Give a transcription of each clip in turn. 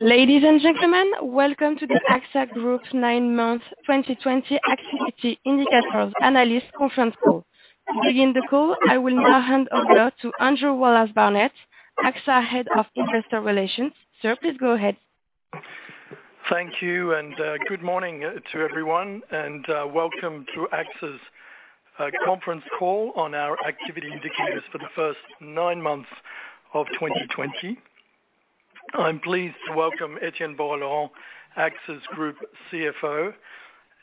Ladies and gentlemen, welcome to the AXA Group nine months 2020 activity indicators analyst conference call. To begin the call, I will now hand over to Andrew Wallace-Barnett, AXA Head of Investor Relations. Sir, please go ahead. Thank you, and good morning to everyone, and welcome to AXA's conference call on our activity indicators for the first nine months of 2020. I'm pleased to welcome Etienne Bouas-Laurent, AXA's Group CFO.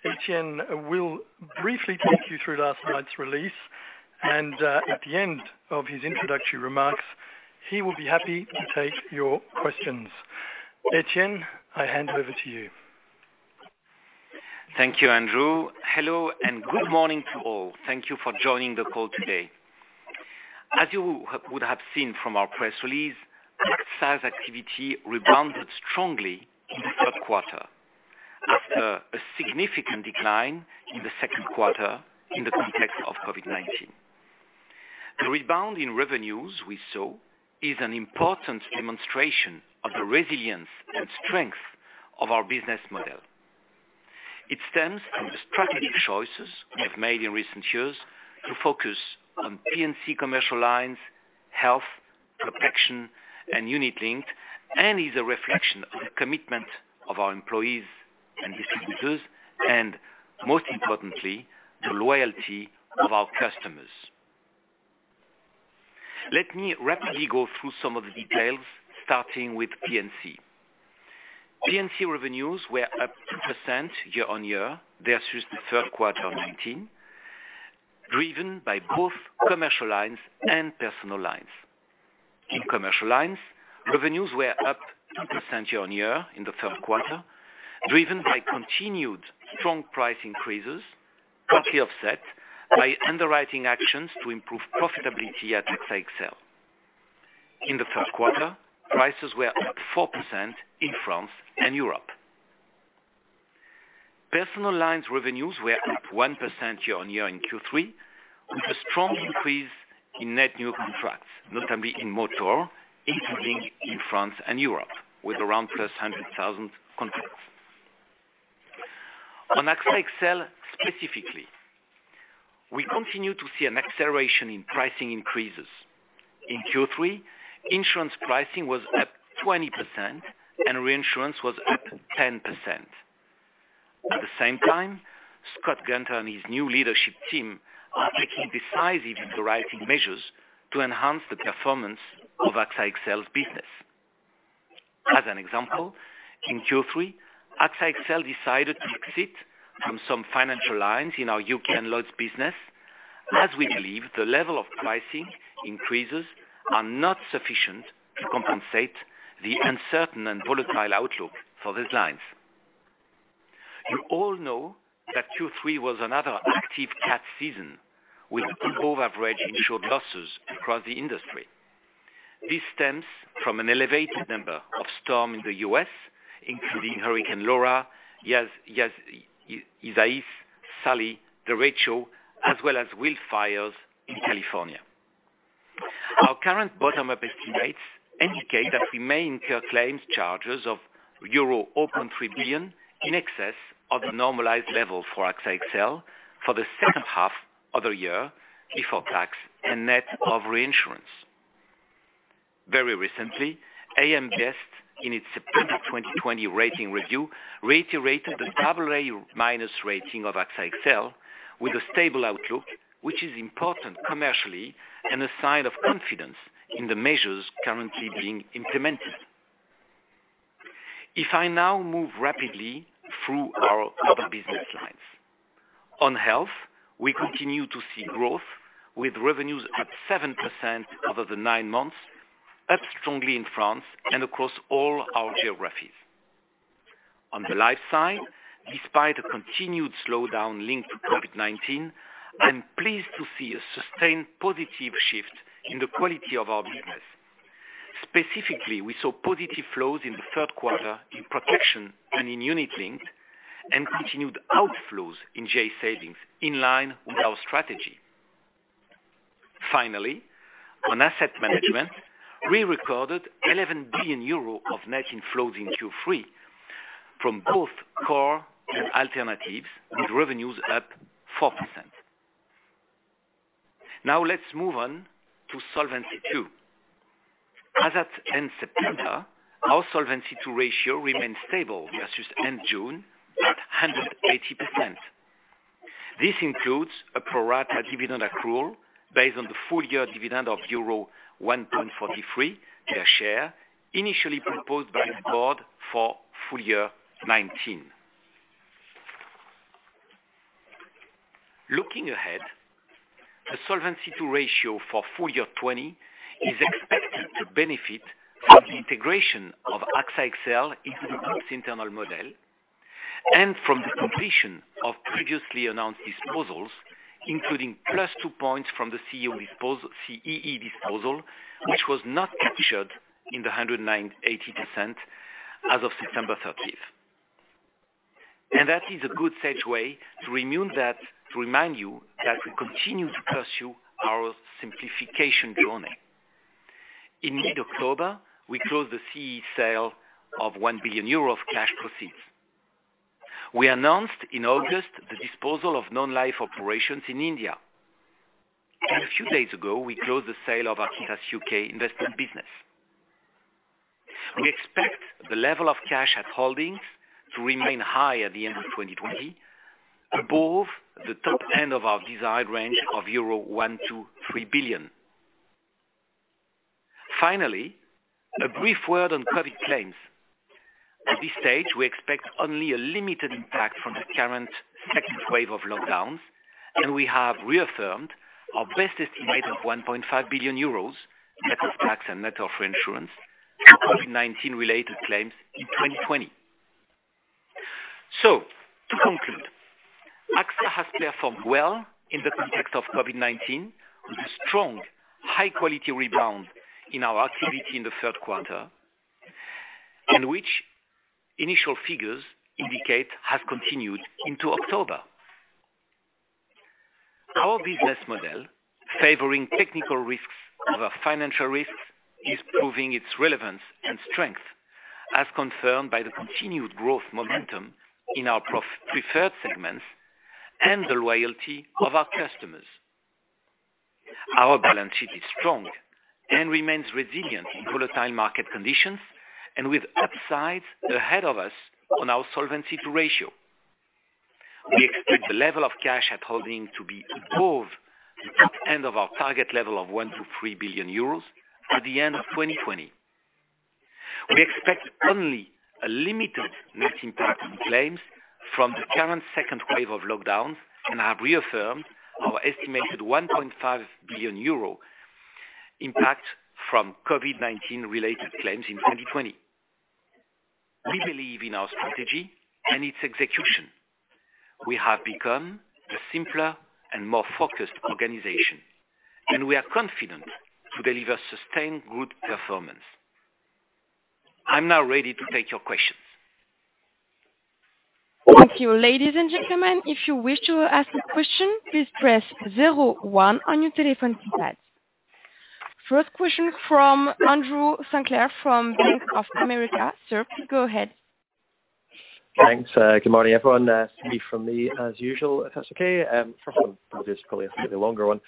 Etienne will briefly talk you through last night's release, and at the end of his introductory remarks, he will be happy to take your questions. Etienne, I hand over to you. Thank you, Andrew. Hello, and good morning to all. Thank you for joining the call today. As you would have seen from our press release, AXA's activity rebounded strongly in the third quarter after a significant decline in the second quarter in the context of COVID-19. The rebound in revenues we saw is an important demonstration of the resilience and strength of our business model. It stems from the strategic choices we've made in recent years to focus on P&C commercial lines, health, protection, and Unit-linked, and is a reflection of the commitment of our employees and distributors, and most importantly, the loyalty of our customers. Let me rapidly go through some of the details, starting with P&C. P&C revenues were up 2% year-on-year versus the third quarter 2019, driven by both commercial lines and personal lines. In commercial lines, revenues were up 2% year-on-year in the third quarter, driven by continued strong price increases, partly offset by underwriting actions to improve profitability at AXA XL. In the third quarter, prices were up 4% in France and Europe. Personal lines revenues were up 1% year-on-year in Q3, with a strong increase in net new contracts, notably in motor, including in France and Europe, with around +100,000 contracts. On AXA XL, specifically, we continue to see an acceleration in pricing increases. In Q3, insurance pricing was up 20% and reinsurance was up 10%. At the same time, Scott Gunter and his new leadership team are taking decisive underwriting measures to enhance the performance of AXA XL's business. As an example, in Q3, AXA XL decided to exit from some financial lines in our U.K. and Lloyd's business, as we believe the level of pricing increases are not sufficient to compensate the uncertain and volatile outlook for these lines. You all know that Q3 was another active cat season, with above-average insured losses across the industry. This stems from an elevated number of storms in the U.S., including Hurricane Laura, Isaias, Sally, Darrell, as well as wildfires in California. Our current bottom-up estimates indicate that we may incur claims charges of euro 0.3 billion in excess of the normalized level for AXA XL for the second half of the year before tax and net of reinsurance. Very recently, AM Best, in its September 2020 rating review, reiterated the AA- rating of AXA XL with a stable outlook, which is important commercially and a sign of confidence in the measures currently being implemented. If I now move rapidly through our other business lines. On health, we continue to see growth with revenues up 7% over the nine months, up strongly in France and across all our geographies. On the life side, despite a continued slowdown linked to COVID-19, I'm pleased to see a sustained positive shift in the quality of our business. Specifically, we saw positive flows in the third quarter in protection and in unit-linked, and continued outflows in G/A savings, in line with our strategy. Finally, on asset management, we recorded 11 billion euro of net inflows in Q3 from both core and alternatives, with revenues up 4%. Let's move on to Solvency II. As at end September, our Solvency II ratio remains stable versus end June at 180%. This includes a pro rata dividend accrual based on the full-year dividend of euro 1.43 per share, initially proposed by the board for FY 2019. Looking ahead, the Solvency II ratio for FY 2020 is expected to benefit from the integration of AXA XL into the group's internal model and from the completion of previously announced disposals, including +2 points from the CEE disposal, which was not captured in the 180% as of September 30th. That is a good segue to remind you that we continue to pursue our simplification journey. In mid-October, we closed the Coface sale of 1 billion euro of cash proceeds. We announced in August the disposal of non-life operations in India. A few days ago, we closed the sale of AXA's U.K. investment business. We expect the level of cash at holdings to remain high at the end of 2020, above the top end of our desired range of euro 1 billion- euro 3 billion. Finally, a brief word on COVID claims. At this stage, we expect only a limited impact from the current second wave of lockdowns, and we have reaffirmed our best estimate of 1.5 billion euros, net of tax and net of reinsurance, to COVID-19 related claims in 2020. To conclude, AXA has performed well in the context of COVID-19, with a strong, high-quality rebound in our activity in the third quarter, and which initial figures indicate has continued into October. Our business model, favoring technical risks over financial risks, is proving its relevance and strength, as confirmed by the continued growth momentum in our preferred segments and the loyalty of our customers. Our balance sheet is strong and remains resilient in volatile market conditions, with upsides ahead of us on our solvency ratio. We expect the level of cash at holding to be above the top end of our target level of 1 billion-3 billion euros at the end of 2020. We expect only a limited net impact on claims from the current second wave of lockdowns, have reaffirmed our estimated 1.5 billion euro impact from COVID-19-related claims in 2020. We believe in our strategy and its execution. We have become a simpler and more focused organization, we are confident to deliver sustained good performance. I'm now ready to take your questions. Thank you. First question from Andrew Sinclair from Bank of America. Sir, please go ahead. Thanks. Good morning, everyone. It's me from me as usual, if that's okay. First one, I'll just probably ask maybe a longer one.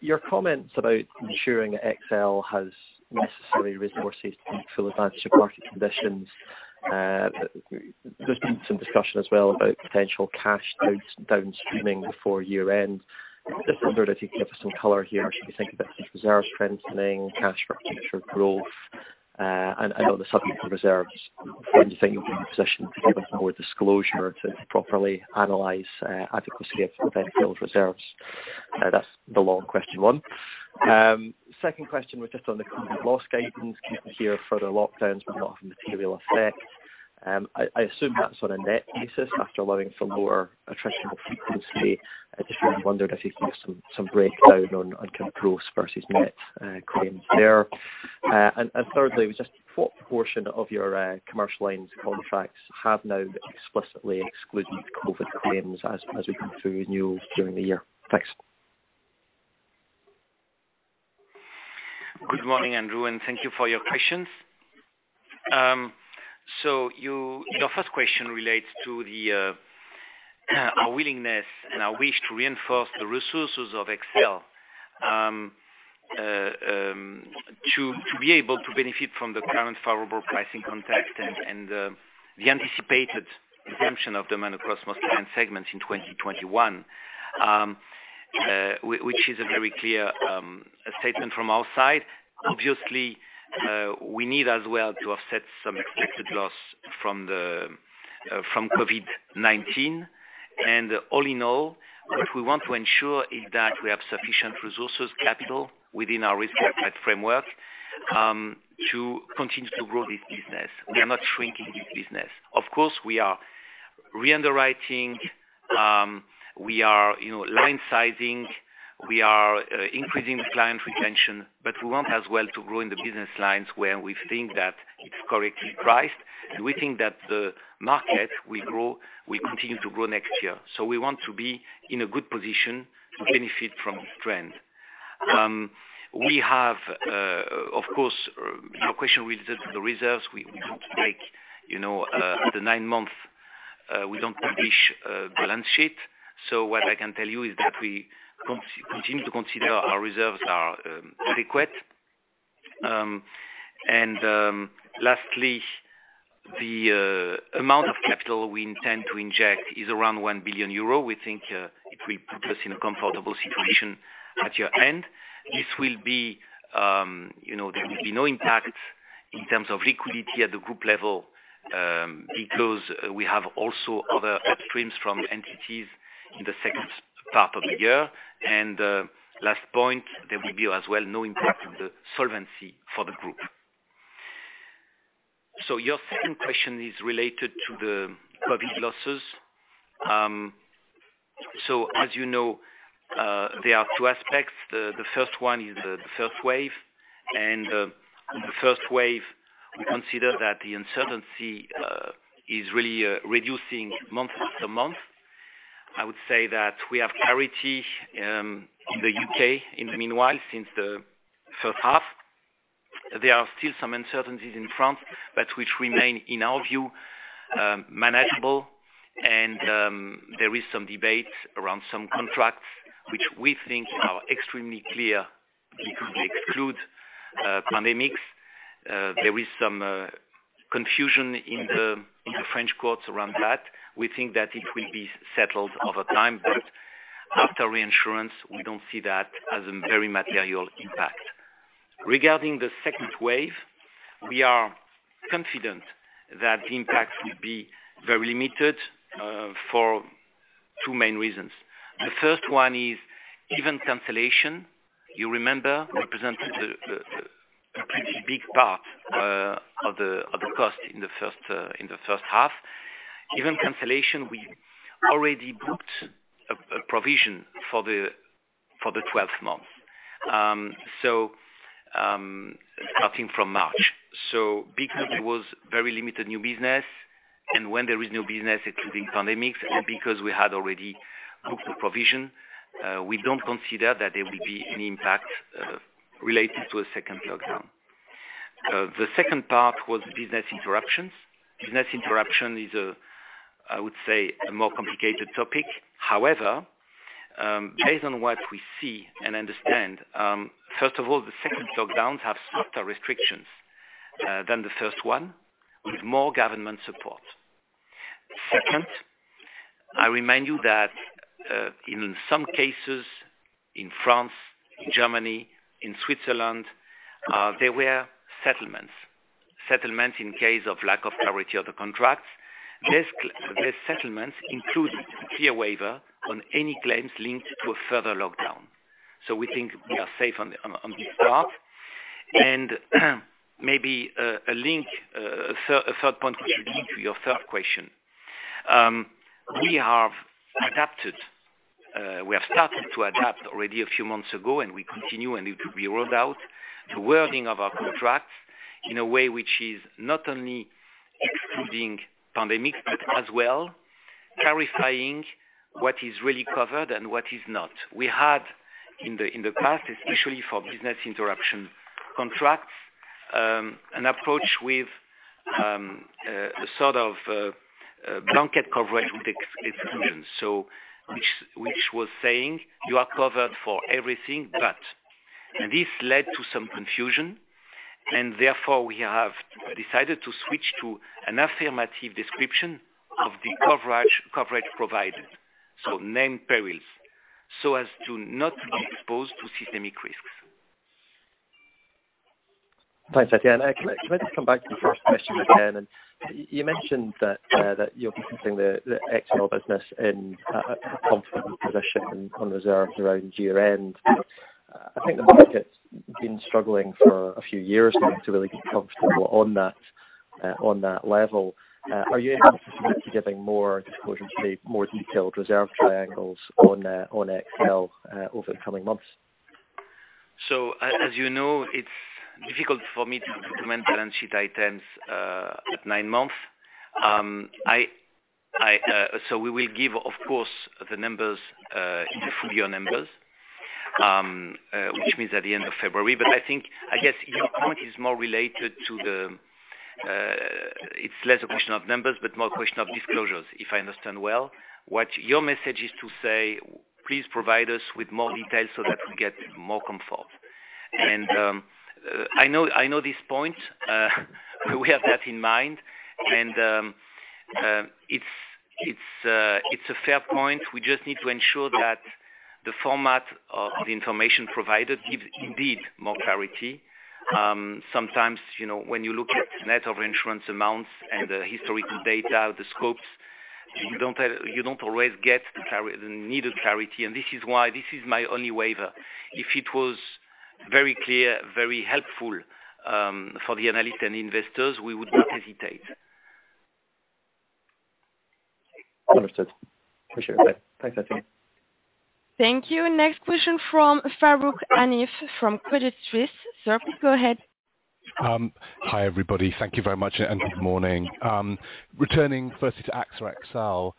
Your comments about ensuring XL has necessary resources to take full advantage of market conditions. There's been some discussion as well about potential cash downstreaming before year end. Just wondered if you could give us some color here, as you think about these reserves strengthening, cash for future growth, and on the subject of reserves, when do you think you'll be in a position to give a forward disclosure to properly analyze adequacy of event field reserves? That's the long question one. Second question was just on the COVID loss guidance, given here further lockdowns but not of material effect. I assume that's on a net basis after allowing for lower attritional frequency. I just wondered if you can give some breakdown on current gross versus net claims there. Thirdly, just what portion of your commercial lines contracts have now explicitly excluded COVID claims as we come to renewal during the year? Thanks. Good morning, Andrew, and thank you for your questions. Your first question relates to our willingness and our wish to reinforce the resources of XL to be able to benefit from the current favorable pricing context and the anticipated resumption of demand across most client segments in 2021, which is a very clear statement from our side. Obviously, we need as well to offset some expected loss from COVID-19. All in all, what we want to ensure is that we have sufficient resources capital within our risk appetite framework, to continue to grow this business. We are not shrinking this business. Of course, we are re-underwriting, we are line sizing, we are increasing the client retention, but we want as well to grow in the business lines where we think that it's correctly priced, and we think that the market will continue to grow next year. We want to be in a good position to benefit from this trend. Of course, your question related to the reserves, we don't break the nine months. We don't publish a balance sheet. What I can tell you is that we continue to consider our reserves are adequate. Lastly, the amount of capital we intend to inject is around 1 billion euro. We think it will put us in a comfortable situation at year-end. There will be no impact in terms of liquidity at the group level, because we have also other upstreams from entities in the second part of the year. Last point, there will be as well no impact on the solvency for the group. Your second question is related to the COVID losses. As you know, there are two aspects. The first one is the first wave. On the first wave, we consider that the uncertainty is really reducing month after month. I would say that we have clarity in the U.K. in the meanwhile, since the first half. There are still some uncertainties in France, but which remain, in our view, manageable. There is some debate around some contracts which we think are extremely clear because they exclude pandemics. There is some confusion in the French courts around that. We think that it will be settled over time, but after reinsurance, we don't see that as a very material impact. Regarding the second wave, we are confident that the impact will be very limited for two main reasons. The first one is, event cancellation, you remember, represented a pretty big part of the cost in the first half. Event cancellation, we already booked a provision for the 12th month. Starting from March. Because there was very limited new business, and when there is new business, excluding pandemics, and because we had already booked the provision, we don't consider that there will be an impact related to a second lockdown. The second part was business interruptions. Business interruption is, I would say, a more complicated topic. However, based on what we see and understand, first of all, the second lockdowns have stricter restrictions than the first one, with more government support. Second, I remind you that, in some cases, in France, in Germany, in Switzerland, there were settlements. Settlements in case of lack of clarity of the contracts. These settlements included a clear waiver on any claims linked to a further lockdown. We think we are safe on this part. Maybe a third point which will lead to your third question. We have started to adapt already a few months ago, and we continue, and it will be rolled out, the wording of our contracts in a way which is not only excluding pandemics, but as well clarifying what is really covered and what is not. We had, in the past, especially for business interruption contracts, an approach with a sort of blanket coverage with exclusions. Which was saying you are covered for everything, but this led to some confusion and therefore we have decided to switch to an affirmative description of the coverage provided. Named perils, so as to not be exposed to systemic risks. Thanks, Etienne. Can I just come back to the first question again? You mentioned that you're keeping the XL business in a comfortable position on reserves around year-end. I think the market's been struggling for a few years now to really get comfortable on that level. Are you able to commit to giving more disclosures, maybe more detailed reserve triangles on XL over the coming months? As you know, it's difficult for me to comment balance sheet items at nine months. We will give, of course, the numbers in the full-year numbers, which means at the end of February. I think, it's less a question of numbers, but more a question of disclosures, if I understand well. What your message is to say, please provide us with more details so that we get more comfort. I know this point. We have that in mind, and it's a fair point. We just need to ensure that the format of the information provided gives indeed more clarity. Sometimes, when you look at net of insurance amounts and the historical data, the scopes, you don't always get the needed clarity, and this is why this is my only waiver. If it was very clear, very helpful for the analysts and investors, we would not hesitate. Understood. For sure. Okay. Thanks, Etienne. Thank you. Next question from Farooq Hanif, from Credit Suisse. Sir, please go ahead. Hi, everybody. Thank you very much, good morning. Returning firstly to AXA XL,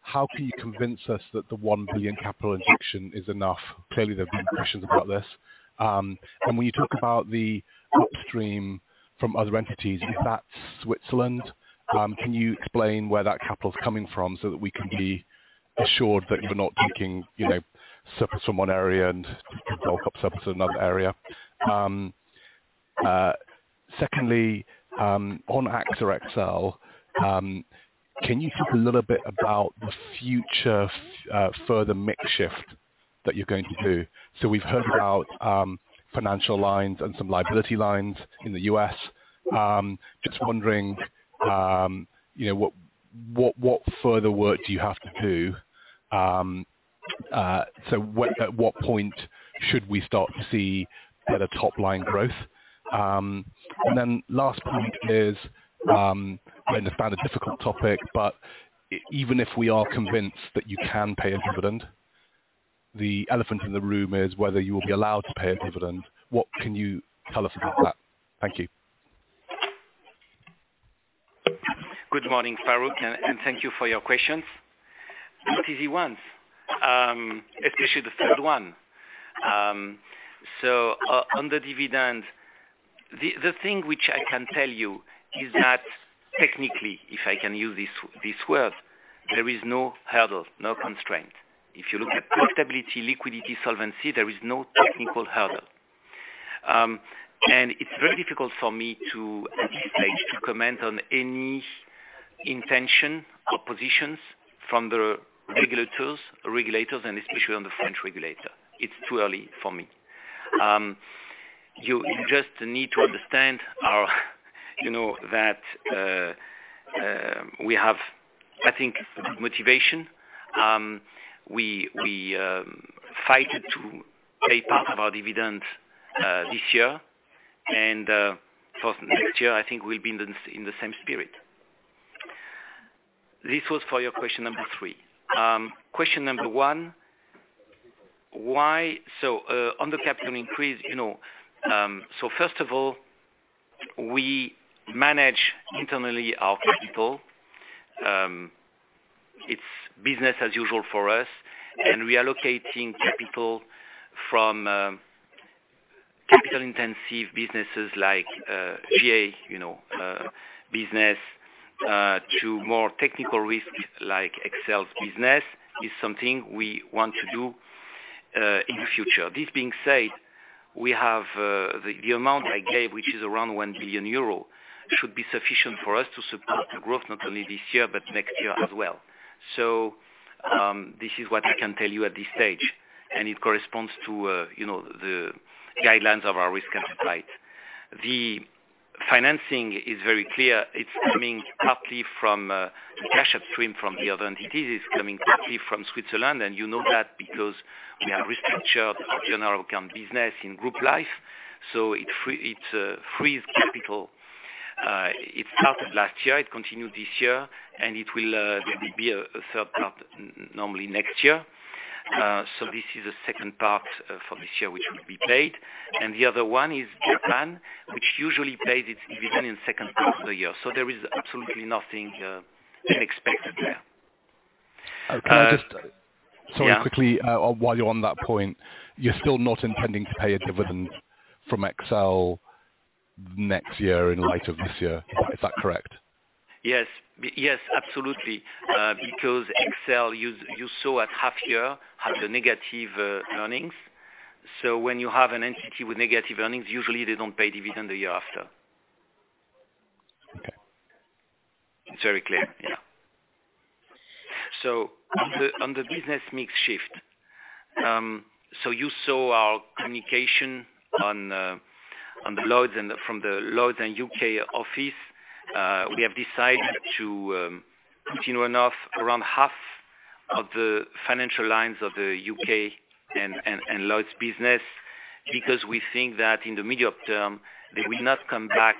how can you convince us that the 1 billion capital injection is enough? Clearly, there have been questions about this. When you talk about the upstream from other entities, if that's Switzerland, can you explain where that capital's coming from so that we can be assured that we're not taking surplus from one area and top surplus in another area. Secondly, on AXA XL, can you talk a little bit about the future further mix shift that you're going to do? We've heard about financial lines and some liability lines in the U.S. Just wondering what further work do you have to do? At what point should we start to see better top-line growth? Last point is, I understand it's a difficult topic, but even if we are convinced that you can pay a dividend, the elephant in the room is whether you will be allowed to pay a dividend. What can you tell us about that? Thank you. Good morning, Farooq. Thank you for your questions. Not easy ones, especially the third one. On the dividend, the thing which I can tell you is that technically, if I can use this word, there is no hurdle, no constraint. If you look at profitability, liquidity, solvency, there is no technical hurdle. It's very difficult for me at this stage to comment on any intention or positions from the regulators, and especially on the French regulator. It's too early for me. You just need to understand that we have, I think, motivation. We fight to pay part of our dividend this year. For next year, I think we'll be in the same spirit. This was for your question number three. Question number one. On the capital increase, first of all, we manage internally our capital. It's business as usual for us. Reallocating capital from capital intensive businesses like GA business to more technical risk like AXA XL's business is something we want to do in the future. This being said, we have the amount I gave, which is around 1 billion euro, should be sufficient for us to support the growth not only this year but next year as well. This is what I can tell you at this stage. It corresponds to the guidelines of our risk appetite. The financing is very clear. It's coming partly from the cash upstream from the other entities. It's coming partly from Switzerland. You know that because we have restructured the General Account business in group life. It frees capital. It started last year, it continued this year. There will be a third part normally next year. This is the second part for this year, which will be paid. The other one is Japan, which usually pays its dividend in the second quarter of the year. There is absolutely nothing unexpected there. Can I just. Yeah. Sorry, quickly, while you're on that point, you're still not intending to pay a dividend from AXA XL next year in light of this year. Is that correct? Yes, absolutely. Because AXA XL, you saw at half year, had negative earnings. When you have an entity with negative earnings, usually they don't pay dividend the year after. Okay. It's very clear. Yeah. On the business mix shift. You saw our communication from the Lloyd's and U.K. office. We have decided to continue enough around half of the financial lines of the U.K. and Lloyd's business because we think that in the medium term, they will not come back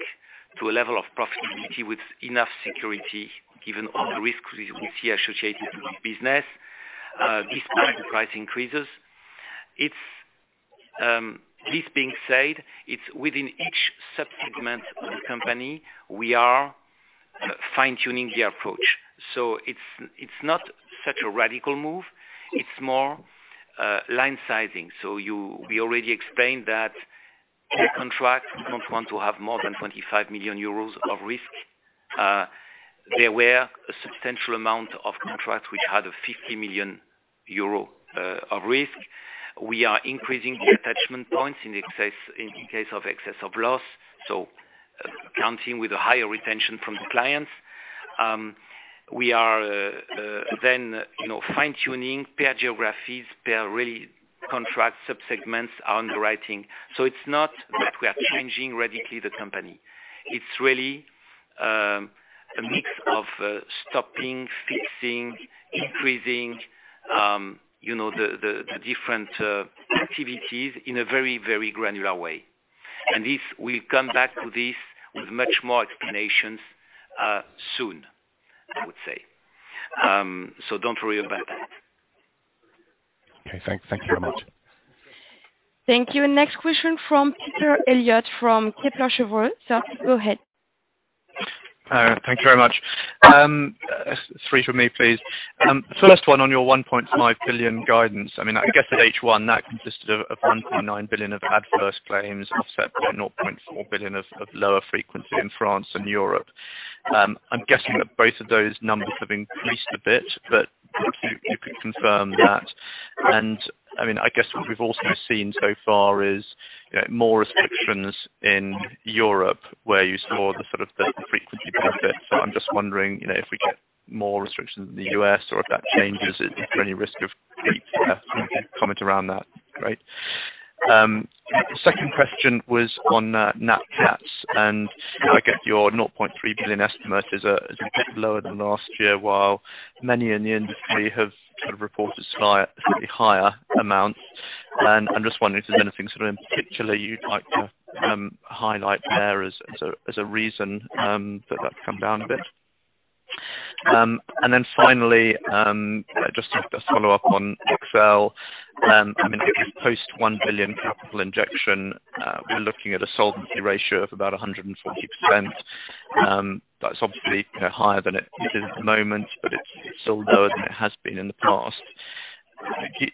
to a level of profitability with enough security given all the risks we see associated with business, despite the price increases. This being said, it's within each sub-segment of the company, we are fine-tuning the approach. It's not such a radical move. It's more line sizing. We already explained that per contract, we don't want to have more than 25 million euros of risk. There were a substantial amount of contracts which had a 50 million euro of risk. We are increasing the attachment points in case of excess of loss. Counting with a higher retention from the clients. We are then fine-tuning per geographies, per really contract sub-segments underwriting. It's not that we are changing radically the company. It's really a mix of stopping, fixing, increasing the different activities in a very, very granular way. We'll come back to this with much more explanations soon, I would say. Don't worry about that. Okay. Thank you very much. Thank you. Next question from Peter Eliot from Kepler Cheuvreux. Go ahead. Thank you very much. Three from me, please. First one on your 1.5 billion guidance. I guess at H1, that consisted of 1.9 billion of adverse claims, offset by 0.4 billion of lower frequency in France and Europe. I'm guessing that both of those numbers have increased a bit, but if you could confirm that. I guess what we've also seen so far is more restrictions in Europe where you saw the sort of the frequency benefit. I'm just wondering if we get more restrictions in the U.S. or if that changes, is there any risk of comment around that? Great. Second question was on nat cats, I get your 0.3 billion estimate is a bit lower than last year, while many in the industry have reported slightly higher amounts. I'm just wondering if there's anything, sort of in particular, you'd like to highlight there as a reason that's come down a bit. Finally, just to follow up on XL. If it's post 1 billion capital injection, we're looking at a solvency ratio of about 140%. That's obviously higher than it is at the moment, but it's still lower than it has been in the past.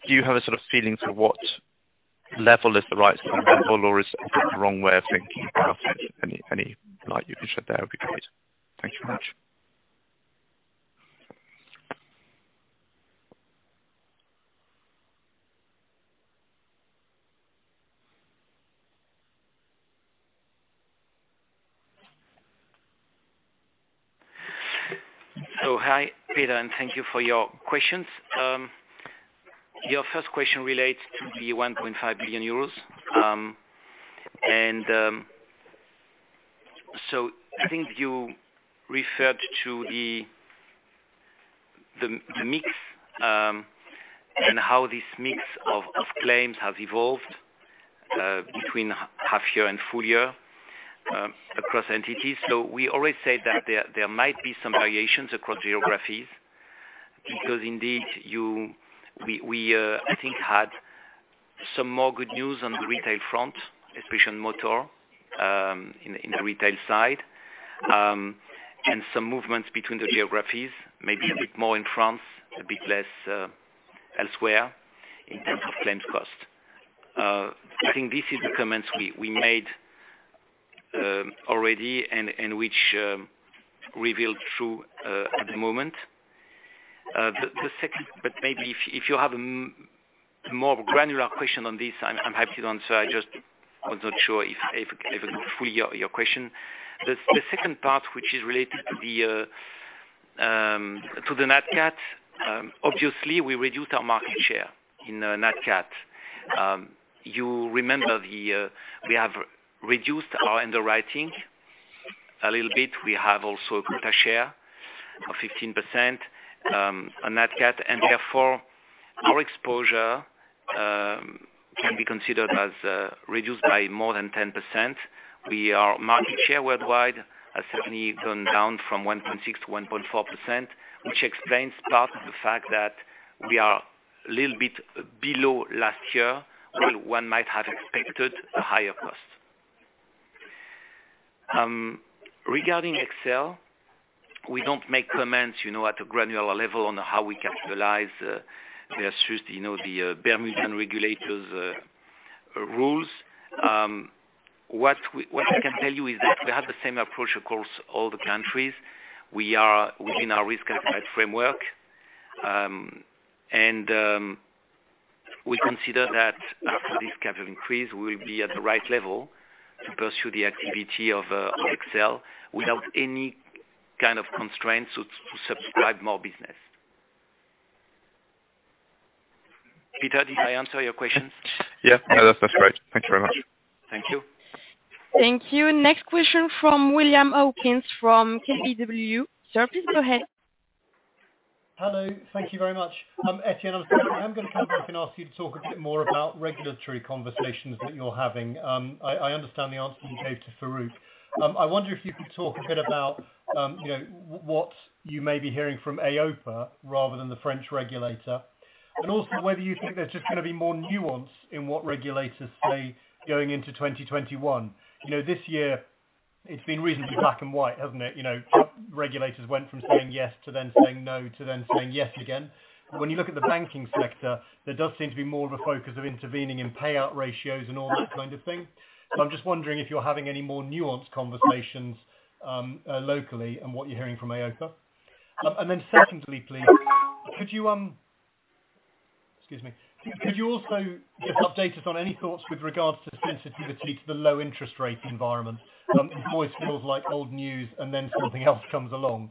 Do you have a sort of feeling to what level is the right level, or is that the wrong way of thinking about it? Any light you can shed there would be great. Thank you much. Hi, Peter, and thank you for your questions. Your first question relates to the 1.5 billion euros. I think you referred to the mix, and how this mix of claims has evolved between half year and full-year across entities. We always say that there might be some variations across geographies because indeed we, I think, had some more good news on the retail front, especially on motor in the retail side. Some movements between the geographies, maybe a bit more in France, a bit less elsewhere in terms of claims cost. I think this is the comments we made already and which revealed true at the moment. Maybe if you have a more granular question on this, I'm happy to answer. I just was not sure if I got fully your question. The second part, which is related to the nat cat. Obviously, we reduced our market share in the nat cat. You remember we have reduced our underwriting a little bit. We have also a quota share of 15% on nat cat, and therefore our exposure can be considered as reduced by more than 10%. Our market share worldwide has certainly gone down from 1.6%-1.4%, which explains part of the fact that we are a little bit below last year, while one might have expected a higher cost. Regarding XL, we don't make comments at a granular level on how we capitalize versus the Bermudian regulators' rules. What I can tell you is that we have the same approach across all the countries. We are within our risk capital framework. We consider that after this capital increase, we will be at the right level to pursue the activity of XL without any kind of constraints to subscribe more business. Peter, did I answer your questions? Yes. No, that's great. Thank you very much. Thank you. Thank you. Next question from William Hawkins from KBW. Sir, please go ahead. Hello. Thank you very much. Etienne, I was going to come back and ask you to talk a bit more about regulatory conversations that you're having. I understand the answer you gave to Farooq. I wonder if you could talk a bit about what you may be hearing from EIOPA rather than the French regulator, and also whether you think there's just going to be more nuance in what regulators say going into 2021. This year it's been reasonably black and white, hasn't it? Regulators went from saying yes to then saying no to then saying yes again. When you look at the banking sector, there does seem to be more of a focus of intervening in payout ratios and all that kind of thing. I'm just wondering if you're having any more nuanced conversations locally and what you're hearing from EIOPA. Secondly, please, could you, excuse me, could you also update us on any thoughts with regards to sensitivity to the low interest rate environment? It always feels like old news and then something else comes along.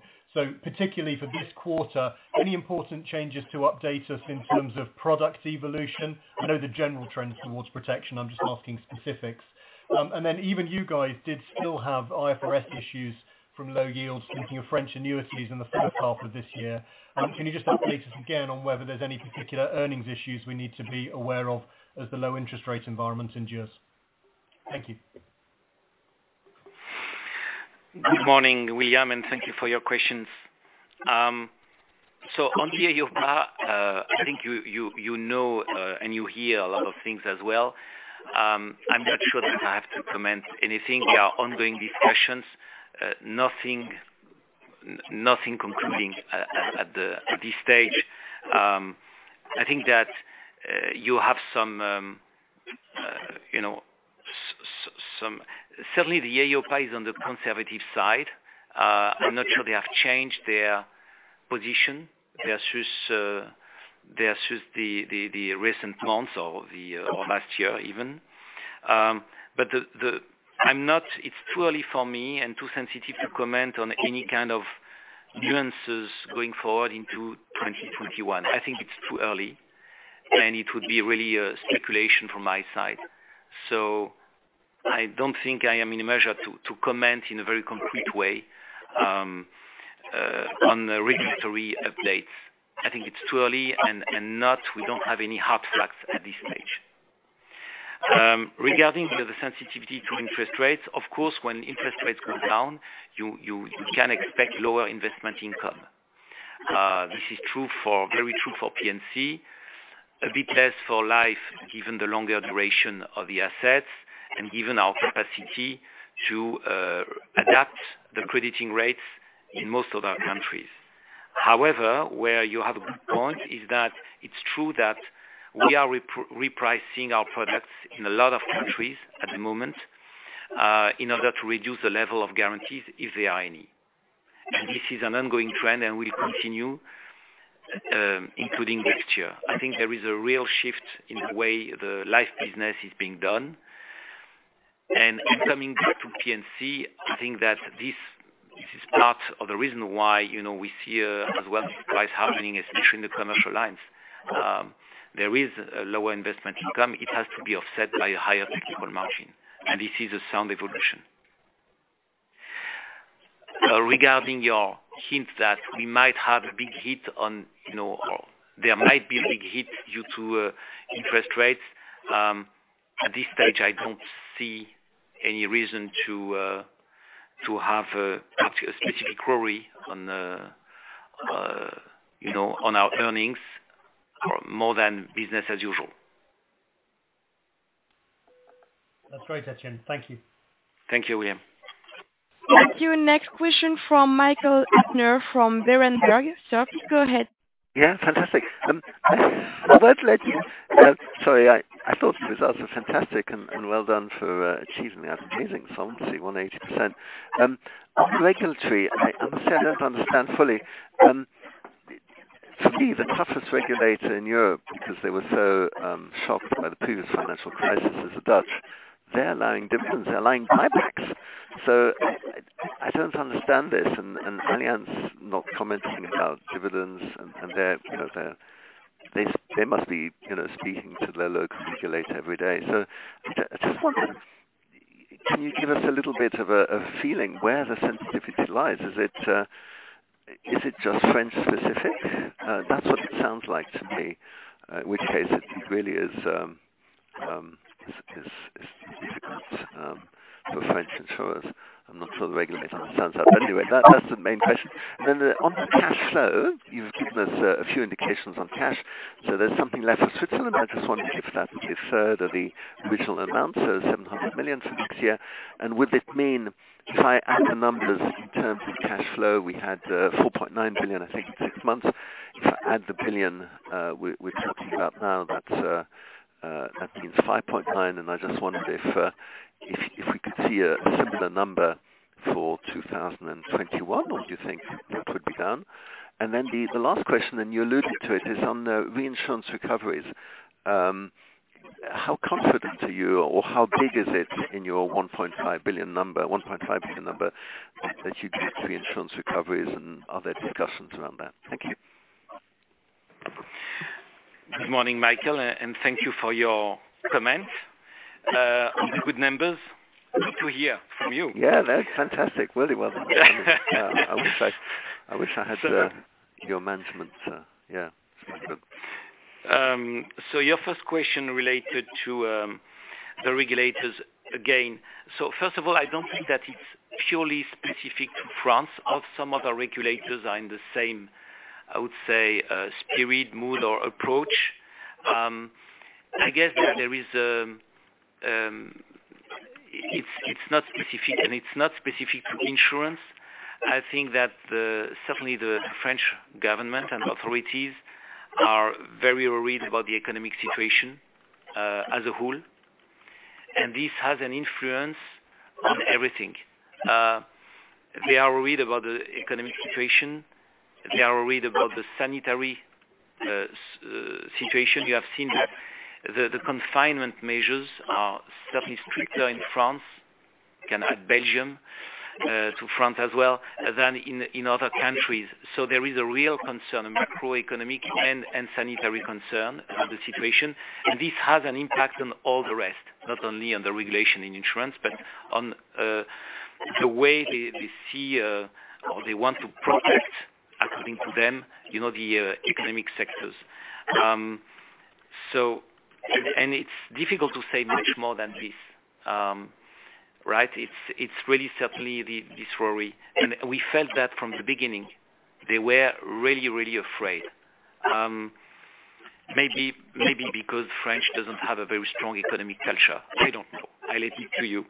Particularly for this quarter, any important changes to update us in terms of product evolution? I know the general trend towards protection. I'm just asking specifics. Even you guys did still have IFRS issues from low yields thinking of French annuities in the first half of this year. Can you just update us again on whether there's any particular earnings issues we need to be aware of as the low interest rate environment endures? Thank you. Good morning, William. Thank you for your questions. On the EIOPA, I think you know and you hear a lot of things as well. I'm not sure that I have to comment anything. There are ongoing discussions. Nothing concluding at this stage. I think that you have. Certainly the EIOPA is on the conservative side. I'm not sure they have changed their position versus the recent months or last year even. It's too early for me and too sensitive to comment on any kind of nuances going forward into 2021. I think it's too early, and it would be really a speculation from my side. I don't think I am in a measure to comment in a very concrete way on the regulatory updates. I think it's too early and we don't have any hard facts at this stage. Regarding the sensitivity to interest rates, of course, when interest rates go down, you can expect lower investment income. This is very true for P&C, a bit less for life, given the longer duration of the assets and given our capacity to adapt the crediting rates in most of our countries. Where you have a good point is that it's true that we are repricing our products in a lot of countries at the moment in order to reduce the level of guarantees, if there are any. This is an ongoing trend, and we'll continue, including this year. I think there is a real shift in the way the life business is being done. Coming back to P&C, I think that this is part of the reason why we see a wealth of price happening, especially in the commercial lines. There is a lower investment income. It has to be offset by a higher technical margin, and this is a sound evolution. Regarding your hint that there might be a big hit due to interest rates. At this stage, I don't see any reason to have a specific worry on our earnings more than business as usual. That's great, Etienne. Thank you. Thank you, William. Thank you. Next question from Michael Huttner from Berenberg. Sir, go ahead. Fantastic. Sorry. I thought the results are fantastic, and well done for achieving that. Amazing. Solvency 180%. Regulatory, I understand, I don't understand fully. For me, the toughest regulator in Europe, because they were so shocked by the previous financial crisis, is the Dutch. They're allowing dividends. They're allowing buybacks. I don't understand this, and Allianz not commenting about dividends, and they must be speaking to their local regulator every day. Can you give us a little bit of a feeling where the sensitivity lies? Is it just French-specific? That's what it sounds like to me, in which case it really is difficult for French insurers. I'm not sure the regulator understands that. Anyway, that's the main question. On the cash flow, you've given us a few indications on cash. There's something left for Switzerland. I just wondered if that deferred the original amount, so 700 million for next year. Would it mean if I add the numbers in terms of cash flow, we had 4.9 billion, I think, at six months. If I add the 1 billion we're talking about now, that means 5.9 billion, I just wondered if we could see a similar number for 2021. What do you think that would be down? The last question, and you alluded to it, is on the reinsurance recoveries. How confident are you, or how big is it in your 1.5 billion number that you do for reinsurance recoveries, and are there discussions around that? Thank you. Good morning, Michael, and thank you for your comments on the good numbers. Good to hear from you. Yeah, they're fantastic. Really well done. I wish I had your management. Yeah. It's very good. Your first question related to the regulators again. First of all, I don't think that it's purely specific to France. Some other regulators are in the same, I would say, spirit, mood or approach. I guess that it's not specific, and it's not specific to insurance. I think that certainly the French government and authorities are very worried about the economic situation as a whole, and this has an influence on everything. They are worried about the economic situation. They are worried about the sanitary situation. You have seen that the confinement measures are certainly stricter in France. You can add Belgium to France as well, than in other countries. There is a real concern, a macroeconomic and sanitary concern about the situation, and this has an impact on all the rest, not only on the regulation in insurance, but on the way they see or they want to protect, according to them, the economic sectors. It’s difficult to say much more than this. It’s really certainly this worry, and we felt that from the beginning. They were really afraid. Maybe because French doesn’t have a very strong economic culture. I don’t know. I leave it to you.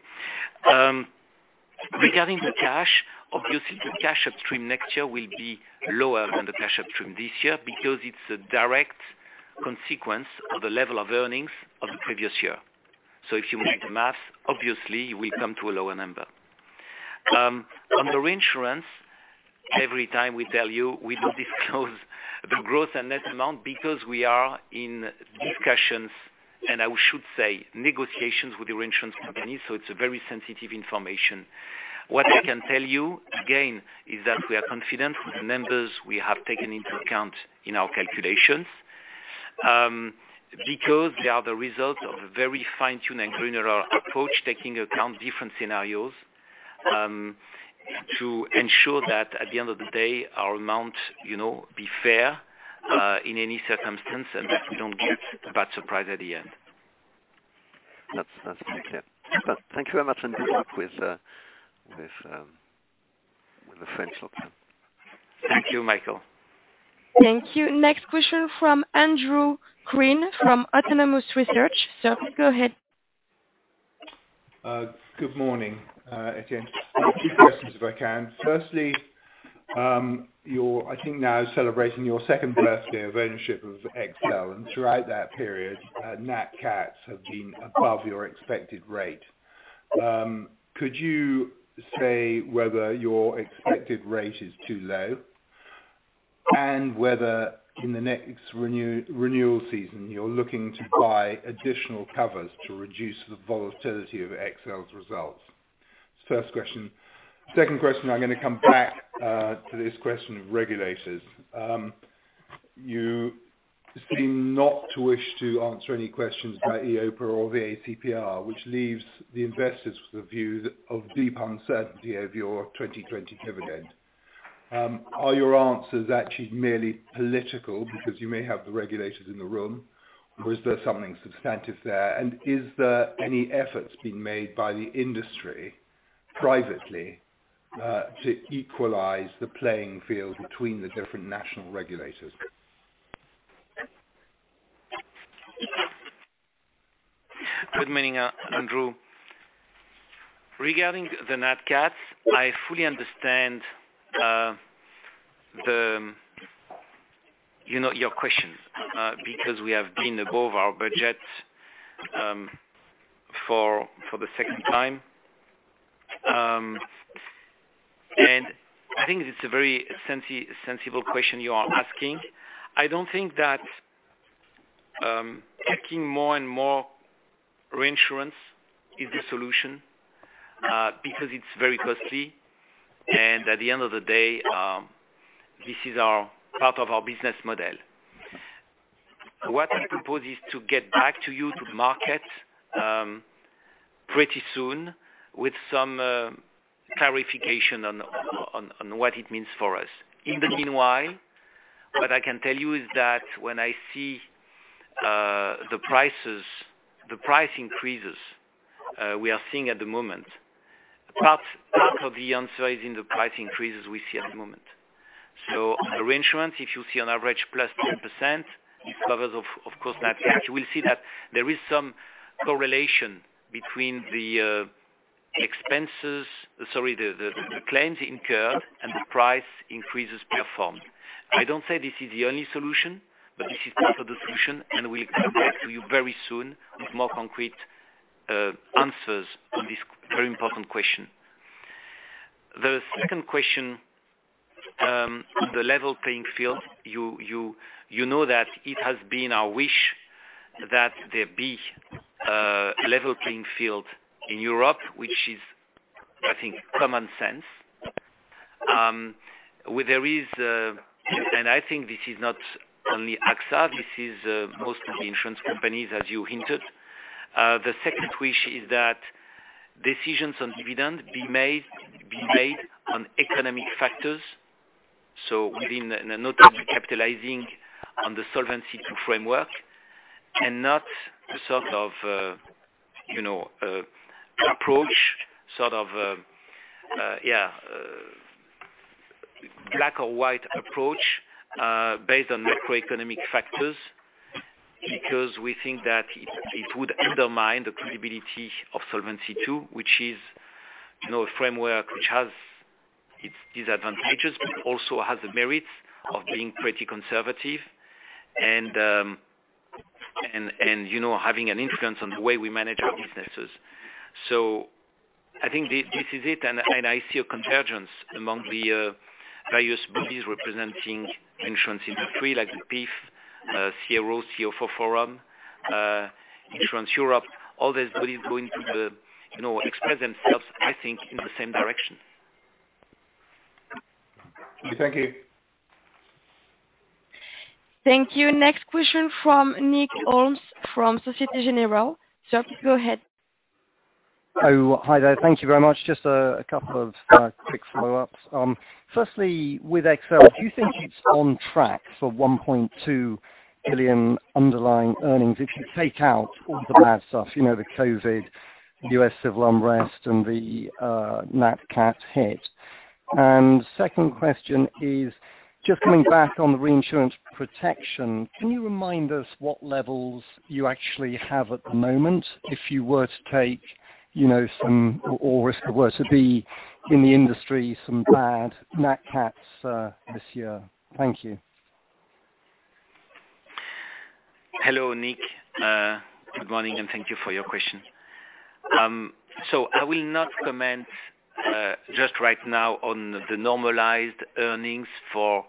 Regarding the cash, obviously, the cash upstream next year will be lower than the cash upstream this year because it’s a direct consequence of the level of earnings of the previous year. If you make the math, obviously, we come to a lower number. On the reinsurance, every time we tell you, we don't disclose the growth and net amount because we are in discussions, and I should say, negotiations with the reinsurance companies, so it's a very sensitive information. What I can tell you, again, is that we are confident with the numbers we have taken into account in our calculations because they are the result of a very fine-tuned and granular approach, taking account different scenarios to ensure that at the end of the day, our amount be fair in any circumstance and that we don't get a bad surprise at the end. That's clear. Thank you very much, and good luck with the French local. Thank you, Michael. Thank you. Next question from Andrew Crean from Autonomous Research. Sir, go ahead. Good morning, Etienne. Two questions, if I can. Firstly, you're, I think now celebrating your second birthday of ownership of XL, and throughout that period, nat cats have been above your expected rate. Could you say whether your expected rate is too low, and whether in the next renewal season, you're looking to buy additional covers to reduce the volatility of XL's results? It's the first question. Second question, I'm going to come back to this question of regulators. You seem not to wish to answer any questions about EIOPA or ACPR, which leaves the investors with a view of deep uncertainty of your 2020 dividend. Are your answers actually merely political because you may have the regulators in the room, or is there something substantive there? Is there any efforts being made by the industry privately to equalize the playing field between the different national regulators? Good morning, Andrew. Regarding the nat cats, I fully understand your questions, because we have been above our budget for the second time. I think it's a very sensible question you are asking. I don't think that taking more and more reinsurance is the solution, because it's very costly, and at the end of the day, this is part of our business model. What I propose is to get back to you, to market, pretty soon with some clarification on what it means for us. In the meanwhile, what I can tell you is that when I see the price increases we are seeing at the moment, part of the answer is in the price increases we see at the moment. Reinsurance, if you see on average plus 10%, it covers, of course, nat cats. You will see that there is some correlation between the claims incurred and the price increases per form. I don't say this is the only solution, but this is part of the solution, and we'll get back to you very soon with more concrete answers on this very important question. The second question, the level playing field. You know that it has been our wish that there be a level playing field in Europe, which is, I think, common sense. I think this is not only AXA, this is most of the insurance companies, as you hinted. The second wish is that decisions on dividend be made on economic factors. Within a note of capitalizing on the Solvency II framework and not a sort of black-or-white approach based on macroeconomic factors, because we think that it would undermine the credibility of Solvency II, which is a framework which has its disadvantages, but it also has the merits of being pretty conservative and having an influence on the way we manage our businesses. I think this is it, and I see a convergence among the various bodies representing insurance industry like the PEF, CRO, CFO Forum, Insurance Europe, all these bodies going to express themselves, I think, in the same direction. Thank you. Thank you. Next question from Nick Holmes from Societe Generale. Sir, go ahead. Oh, hi there. Thank you very much. Just a couple of quick follow-ups. Firstly, with XL, do you think it's on track for 1.2 billion underlying earnings if you take out all the bad stuff, the COVID, U.S. civil unrest, and the nat cat hit? Second question is, just coming back on the reinsurance protection, can you remind us what levels you actually have at the moment if you were to take some, or if it were to be in the industry, some bad nat cats this year? Thank you. Hello, Nick. Good morning, and thank you for your question. I will not comment just right now on the normalized earnings for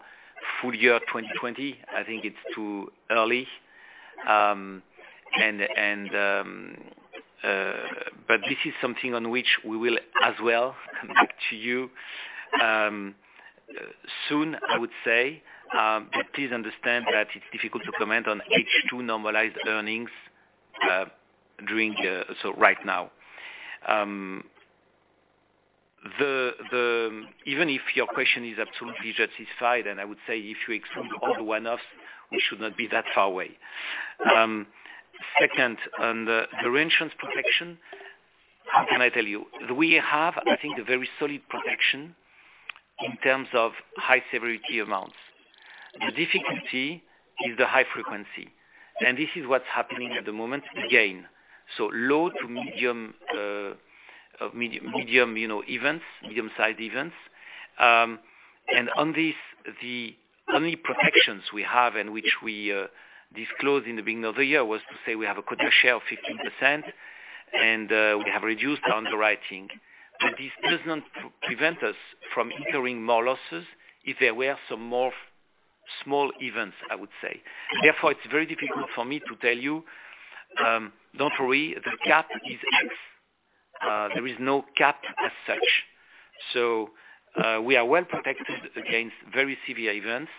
full-year 2020. I think it's too early. This is something on which we will as well come back to you soon, I would say. Please understand that it's difficult to comment on H2 normalized earnings right now. Even if your question is absolutely justified, I would say if you exclude all the one-offs, we should not be that far away. Second, on the reinsurance protection, how can I tell you? We have, I think, a very solid protection in terms of high-severity amounts. The difficulty is the high frequency, and this is what's happening at the moment again. Low to medium events, medium-sized events. On this, the only protections we have and which we disclosed in the beginning of the year was to say we have a quota share of 15%, and we have reduced our underwriting. This does not prevent us from incurring more losses if there were some more small events, I would say. Therefore, it's very difficult for me to tell you. Don't worry, the cap is X. There is no cap as such. We are well protected against very severe events,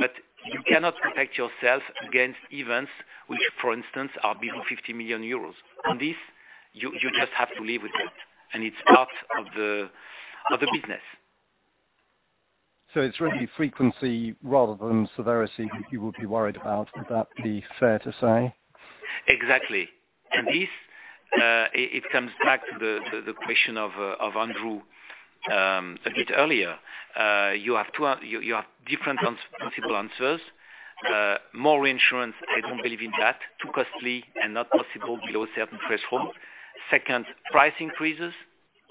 but you cannot protect yourself against events which, for instance, are below 50 million euros. On this, you just have to live with it, and it's part of the business. It's really frequency rather than severity that you would be worried about. Would that be fair to say? Exactly. This, it comes back to the question of Andrew a bit earlier. You have different possible answers. More reinsurance, I don't believe in that. Too costly and not possible below a certain threshold. Second, price increases,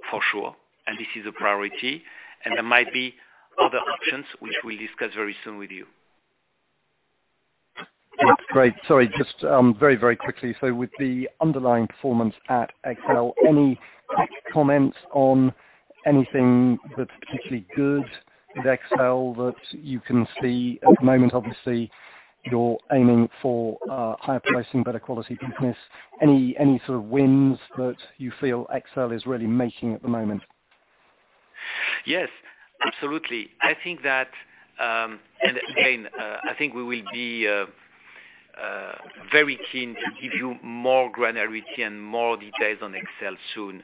for sure, and this is a priority, and there might be other options which we'll discuss very soon with you. That's great. Sorry, just very quickly. With the underlying performance at XL, any comments on anything that's particularly good with XL that you can see at the moment? Obviously, you're aiming for higher pricing, better quality business. Any sort of wins that you feel XL is really making at the moment? Yes, absolutely. I think we will be very keen to give you more granularity and more details on XL soon.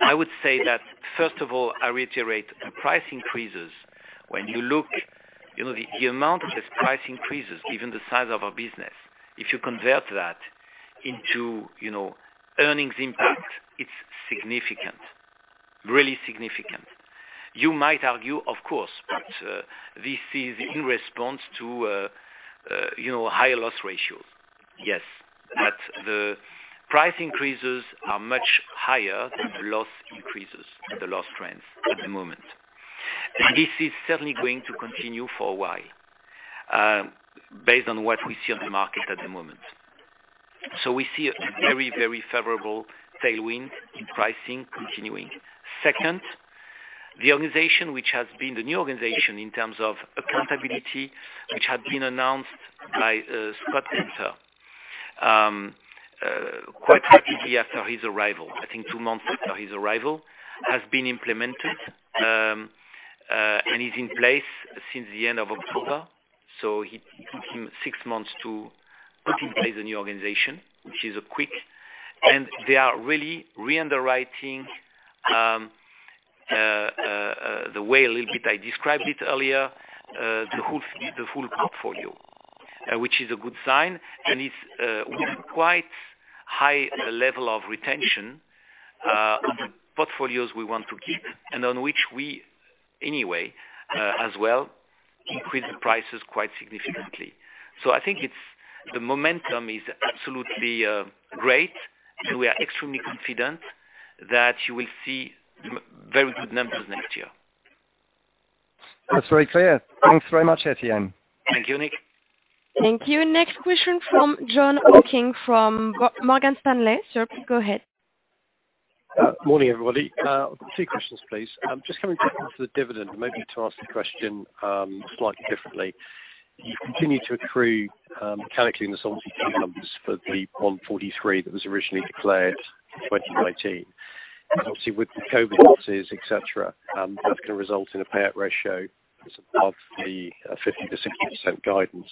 I would say that, first of all, I reiterate the price increases. When you look, the amount of these price increases, given the size of our business, if you convert that into earnings impact, it's significant. Really significant. You might argue, of course, this is in response to higher loss ratios. Yes. The price increases are much higher than the loss increases or the loss trends at the moment. We see a very favorable tailwind in pricing continuing. Second, the organization which has been the new organization in terms of accountability, which had been announced by Scott Gunter quite quickly after his arrival, I think two months after his arrival, has been implemented and is in place since the end of October. It took him six months to put in place a new organization, which is quick. They are really re-underwriting, the way a little bit I described it earlier, the full portfolio, which is a good sign. It's with quite high level of retention on the portfolios we want to keep, and on which we, anyway, as well, increased the prices quite significantly. I think the momentum is absolutely great, and we are extremely confident that you will see very good numbers next year. That's very clear. Thanks very much, Etienne. Thank you, Nick. Thank you. Next question from Jon Hocking from Morgan Stanley. Sir, go ahead. Morning, everybody. Two questions, please. Just coming to the dividend, maybe to ask the question slightly differently. You continue to accrue mechanically in the solvency capital numbers for the 1.43 that was originally declared for 2019. Obviously, with the COVID losses, et cetera, that's going to result in a payout ratio that's above the 50%-60% guidance.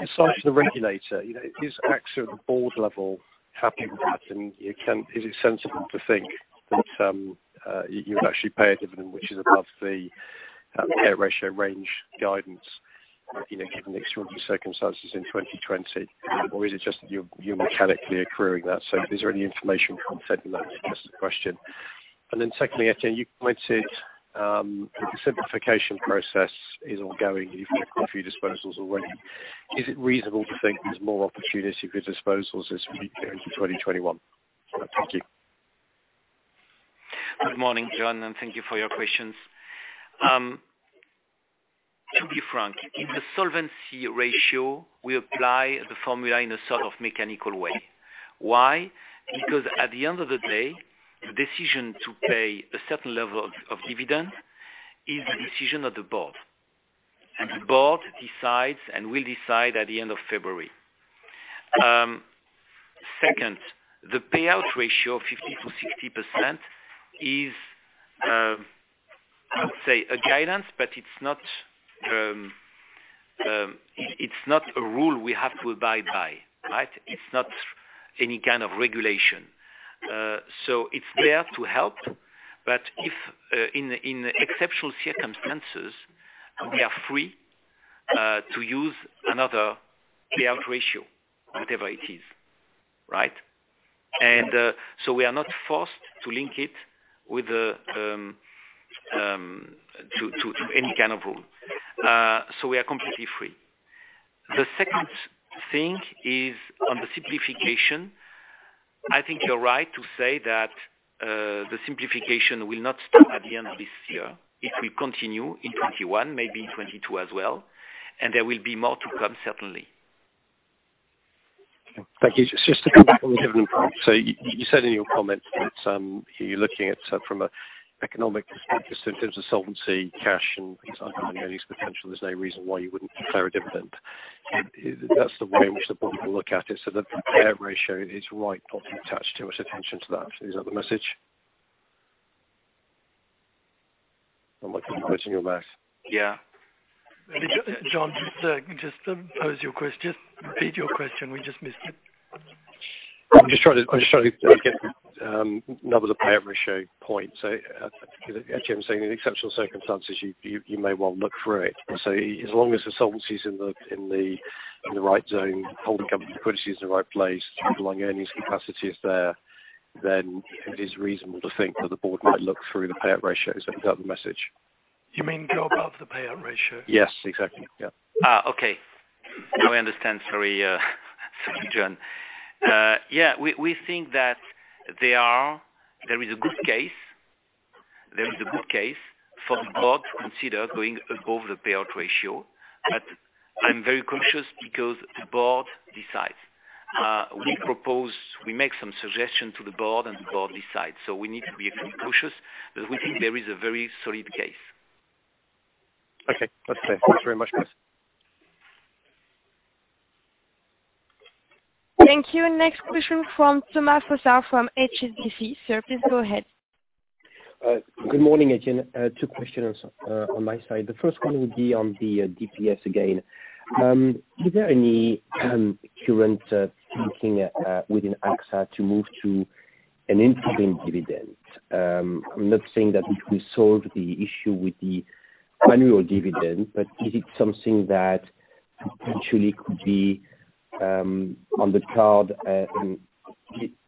Besides the regulator, is AXA at the board level happy with that? Is it sensible to think that you would actually pay a dividend which is above the payout ratio range guidance, given the extraordinary circumstances in 2020? Is it just you're mechanically accruing that? Is there any information you can send in that to address the question? Secondly, Etienne, you pointed the simplification process is ongoing. You've made quite a few disposals already. Is it reasonable to think there's more opportunity for disposals as we go into 2021? Thank you. Good morning, Jon, thank you for your questions. To be frank, in the solvency ratio, we apply the formula in a sort of mechanical way. Why? At the end of the day, the decision to pay a certain level of dividend is the decision of the board. The board decides, and will decide at the end of February. Second, the payout ratio of 50%-60% is, I would say, a guidance, it's not a rule we have to abide by. It's not any kind of regulation. It's there to help, if in exceptional circumstances, we are free to use another payout ratio, whatever it is. Right? We are not forced to link it to any kind of rule. We are completely free. The second thing is on the simplification. I think you're right to say that the simplification will not stop at the end of this year. It will continue in 2021, maybe 2022 as well, and there will be more to come certainly. Thank you. Just to come back on the dividend point. You said in your comments that you're looking at, from an economic perspective, just in terms of solvency, cash, and underlying earnings potential, there's no reason why you wouldn't declare a dividend. That's the way in which the board will look at it, so that the payout ratio is right. Not to attach too much attention to that. Is that the message? I'm looking first to you, Max. Jon, just pose your question. Repeat your question. We just missed it. I'm just trying to get the numbers of payout ratio point. Actually, I'm saying in exceptional circumstances, you may well look for it. As long as the solvency's in the right zone, holding company liquidity is in the right place, underlying earnings capacity is there, it is reasonable to think that the board might look through the payout ratio. Is that about the message? You mean go above the payout ratio? Yes, exactly. Yeah. Okay. Now I understand. Sorry Jon. Yeah, we think that there is a good case for the board to consider going above the payout ratio. I'm very conscious because the board decides. We make some suggestions to the board, and the board decides. We need to be a bit cautious, but we think there is a very solid case. Okay. That's clear. Thanks very much, guys. Thank you. Next question from Thomas Fossard from HSBC. Sir, please go ahead. Good morning, Etienne. Two questions on my side. The first one would be on the DPS again. Is there any current thinking within AXA to move to an interim dividend? I'm not saying that it will solve the issue with the annual dividend, but is it something that potentially could be on the card?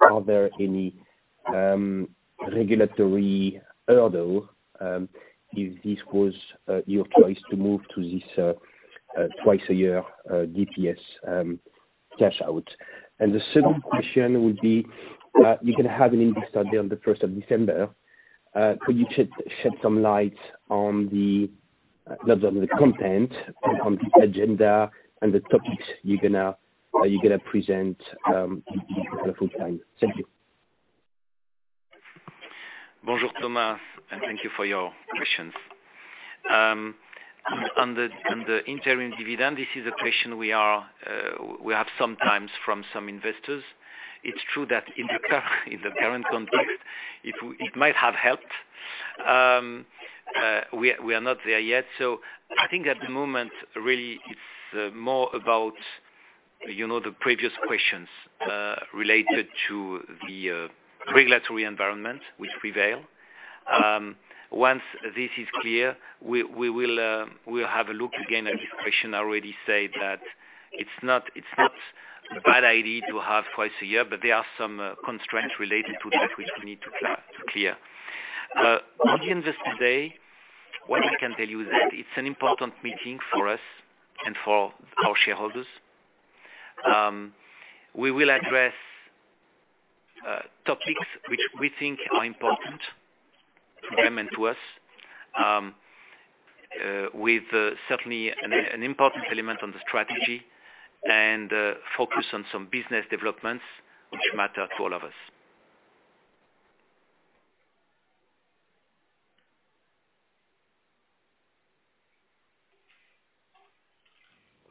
Are there any regulatory hurdle, if this was your choice to move to this twice-a-year DPS cash out? The second question would be, you're going to have an Investor Day on the 1st of December. Could you shed some light on the content, on the agenda, and the topics you're going to present at the full time? Thank you. Bonjour, Thomas. Thank you for your questions. On the interim dividend, this is a question we have sometimes from some investors. It's true that in the current context, it might have helped. We are not there yet. I think at the moment, really, it's more about the previous questions related to the regulatory environment which prevail. Once this is clear, we'll have a look again at this question. I already say that it's not a bad idea to have twice a year, but there are some constraints related to that which we need to clear. On the Investor Day, what I can tell you is that it's an important meeting for us and for our shareholders. We will address topics which we think are important to them and to us with certainly an important element on the strategy and focus on some business developments which matter to all of us.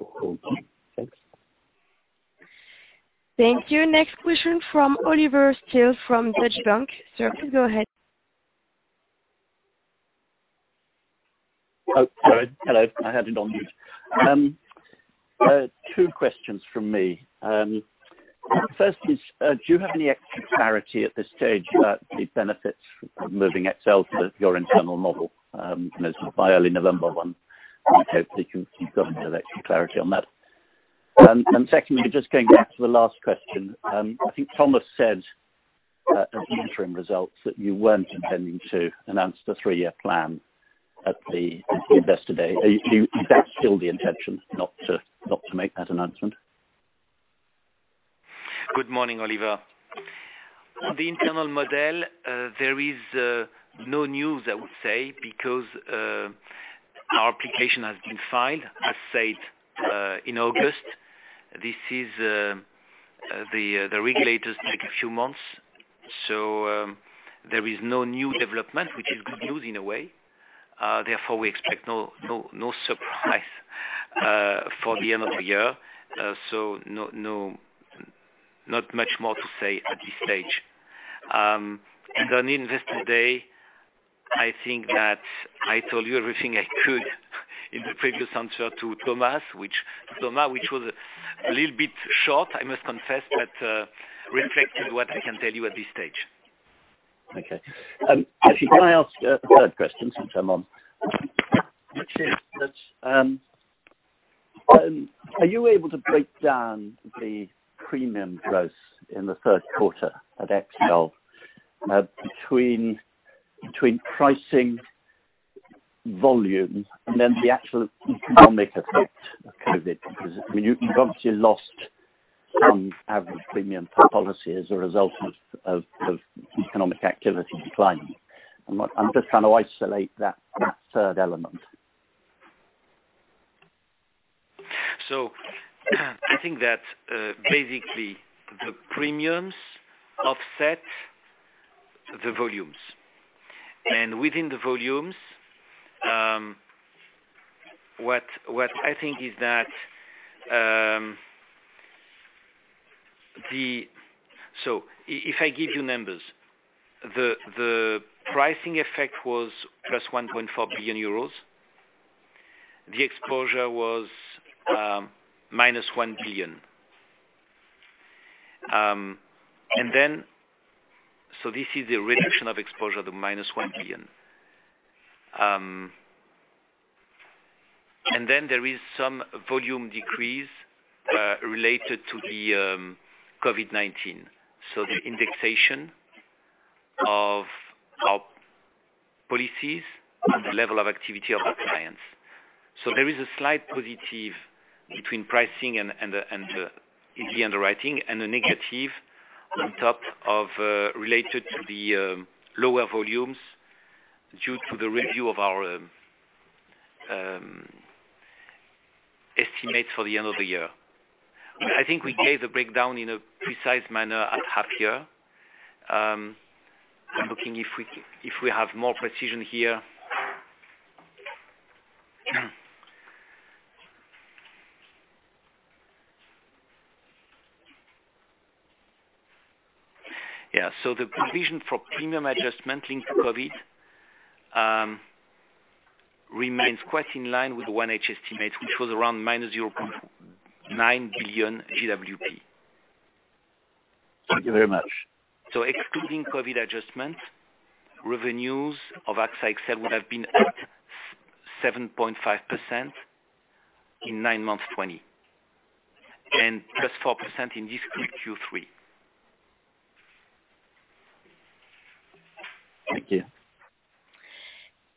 Okay. Thanks. Thank you. Next question from Oliver Steele from Deutsche Bank. Sir, please go ahead. Oh, hello. I had it on mute. Two questions from me. First is, do you have any extra clarity at this stage about the benefits of moving XL to your internal model? By early November when we hope that you've got a bit of extra clarity on that. Secondly, just going back to the last question, I think Thomas said at the interim results that you weren't intending to announce the three-year plan at the Investor Day. Is that still the intention, not to make that announcement? Good morning, Oliver. On the internal model, there is no news, I would say because our application has been filed, as said, in August. The regulators take a few months. There is no new development, which is good news in a way. Therefore, we expect no surprise for the end of the year. Not much more to say at this stage. On Investor Day, I think that I told you everything I could in the previous answer to Thomas, which was a little bit short, I must confess, but reflected what I can tell you at this stage. Okay. Actually, can I ask a third question since I'm on? Are you able to break down the premium growth in the third quarter at XL between pricing volume and then the actual economic effect of COVID? You've obviously lost some average premium policy as a result of economic activity declining. I'm just trying to isolate that third element. I think that basically the premiums offset the volumes. Within the volumes, if I give you numbers, the pricing effect was plus 1.4 billion euros. The exposure was minus 1 billion. This is a reduction of exposure to minus 1 billion. Then there is some volume decrease related to the COVID-19, so the indexation of our policies and the level of activity of our clients. There is a slight positive between pricing and the underwriting, and a negative on top of related to the lower volumes due to the review of our estimates for the end of the year. I think we gave the breakdown in a precise manner at half year. I'm looking if we have more precision here. Yeah. The provision for premium adjustment linked to COVID remains quite in line with one-year estimates, which was around minus 0.9 billion GWP. Thank you very much. Excluding COVID adjustment, revenues of AXA XL would have been at 7.5% in nine months, 2020, and plus four% in this Q3. Thank you.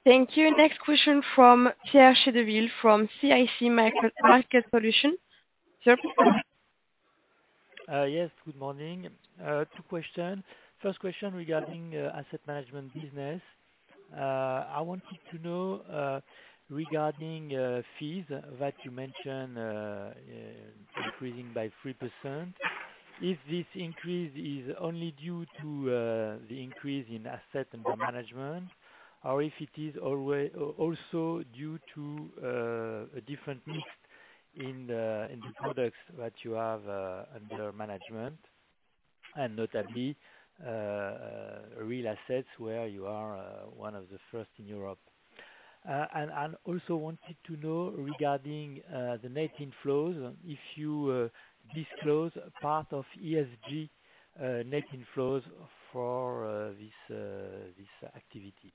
Thank you. Next question from Pierre Chédeville from CIC Market Solutions. Sir? Yes, good morning. Two questions. First question regarding asset management business. I wanted to know, regarding fees that you mentioned increasing by 3%, if this increase is only due to the increase in assets under management or if it is also due to a different mix in the products that you have under management, and notably real assets, where you are one of the first in Europe. Also wanted to know regarding the net inflows, if you disclose part of ESG net inflows for this activity.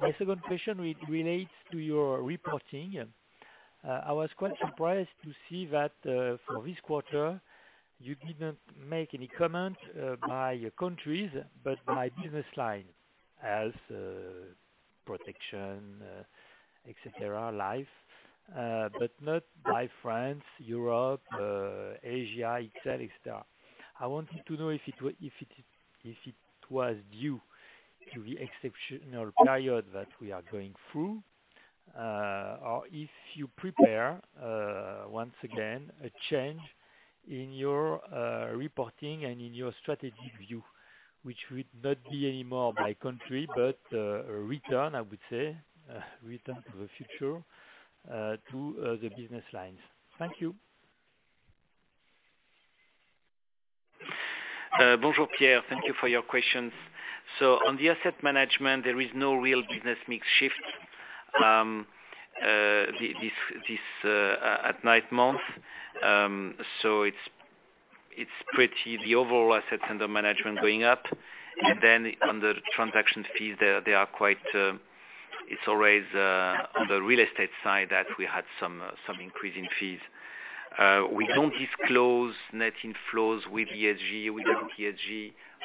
My second question relates to your reporting. I was quite surprised to see that for this quarter, you didn't make any comment by countries but by business line, as protection, et cetera, life but not by France, Europe, Asia, XL, et cetera. I wanted to know if it was due to the exceptional period that we are going through, or if you prepare, once again, a change in your reporting and in your strategic view, which would not be anymore by country but a return, I would say, return to the business lines. Thank you. Bonjour, Pierre. Thank you for your questions. On the asset management, there is no real business mix shift at nine months. It's pretty the overall assets under management going up. Under transaction fees, it's always on the real estate side that we had some increase in fees. We don't disclose net inflows with ESG, without ESG.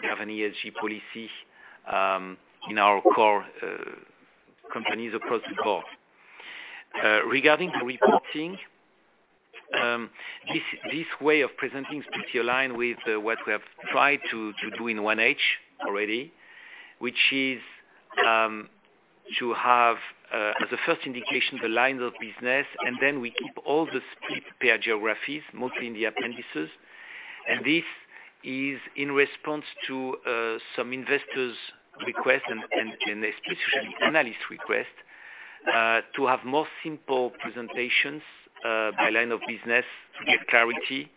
We have an ESG policy in our core companies across the board. Regarding the reporting, this way of presenting is pretty aligned with what we have tried to do in AXA already, which is To have as a first indication the lines of business, and then we keep all the split per geographies, mostly in the appendices. This is in response to some investors' requests and especially analyst requests, to have more simple presentations by line of business to get clarity.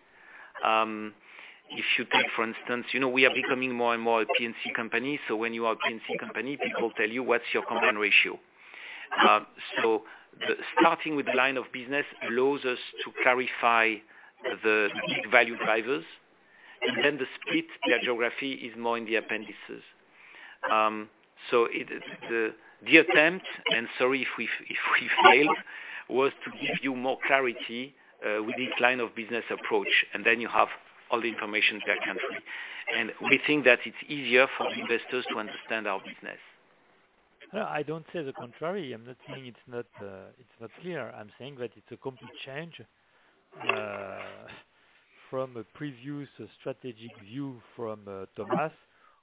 If you take, for instance, we are becoming more and more a P&C company. When you are a P&C company, people tell you what's your combined ratio. Starting with the line of business allows us to clarify the value drivers, and then the split by geography is more in the appendices. The attempt, and sorry if we failed, was to give you more clarity with this line of business approach, and then you have all the information per country. We think that it's easier for investors to understand our business. I don't say the contrary. I'm not saying it's not clear. I'm saying that it's a complete change from a previous strategic view from Thomas,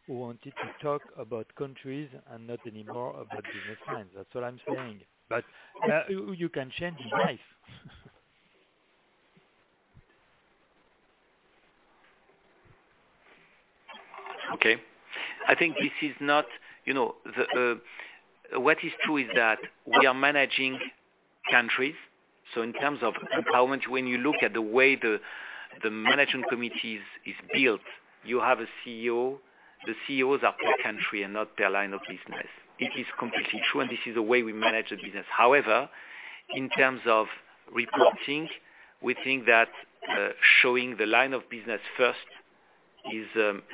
who wanted to talk about countries and not anymore about business lines. That's all I'm saying. You can change life. Okay. I think what is true is that we are managing countries. In terms of empowerment, when you look at the way the management committee is built, you have a CEO. The CEOs are per country and not per line of business. It is completely true, and this is the way we manage the business. However, in terms of reporting, we think that showing the line of business first is